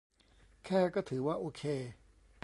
แค่ก็ถือว่าโอเค